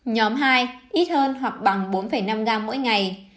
nhóm hai ít hơn hoặc bằng bốn năm gram mỗi ngày